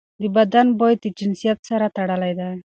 د بدن بوی د جنسیت سره تړلی دی.